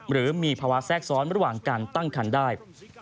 หรือมีภาวะแทรกซ้อนระหว่างการตั้งคันได้